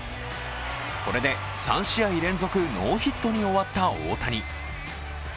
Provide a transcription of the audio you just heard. これで３試合連続ノーヒットに終わった大谷。